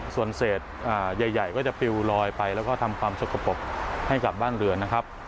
ส่วนเศษใหญ่ก็จะปิวลอยไปแล้วก็ทำความสกปรกให้กับบ้านเรือนนะครับ